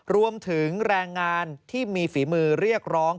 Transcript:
รวมถึงแรงงานที่มีฝีมือเรียกร้อง